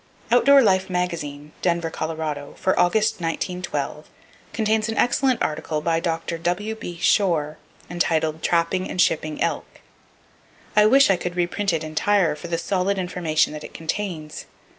Outdoor Life magazine (Denver, Colo.) for August, 1912, contains an [Page 167] excellent article by Dr. W.B. Shore, entitled, "Trapping and Shipping Elk." I wish I could reprint it entire, for the solid information that it contains.